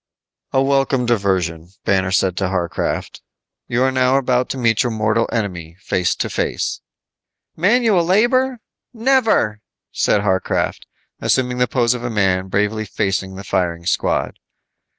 "A welcome diversion," said Banner to Harcraft, "you are now about to meet your mortal enemy face to face." "Manual labor? Never," said Harcraft, assuming the pose of a man bravely facing the firing squad.